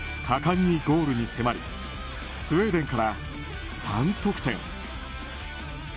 果敢にゴールに迫りスウェーデンから３得点。